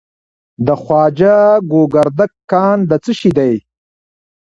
د خواجه ګوګردک کان د څه شي دی؟